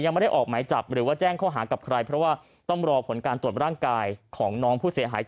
ยังไม่ได้ออกหมายจับหรือว่าแจ้งข้อหากับใครเพราะว่าต้องรอผลการตรวจร่างกายของน้องผู้เสียหาย